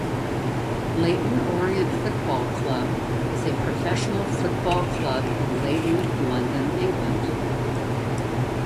Leyton Orient Football Club is a professional football club in Leyton, London, England.